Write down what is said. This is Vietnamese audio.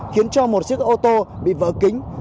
khiến cho một chiếc ô tô bị vỡ kính